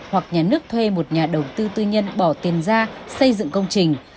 hoặc nhà nước thuê một nhà đầu tư tư nhân bỏ tiền ra xây dựng công trình